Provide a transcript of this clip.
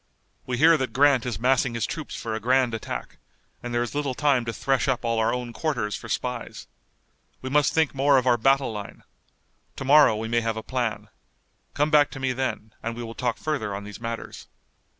We hear that Grant is massing his troops for a grand attack, and there is little time to thresh up all our own quarters for spies. We must think more of our battle line. To morrow we may have a plan. Come back to me then, and we will talk further on these matters."